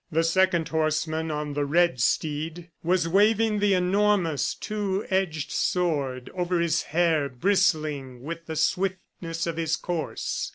The second horseman on the red steed was waving the enormous, two edged sword over his hair bristling with the swiftness of his course.